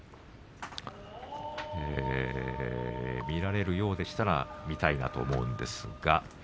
見られるようでしたら見たいなと思います。